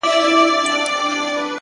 • چاته ولیکم بیتونه پر چا وکړمه عرضونه,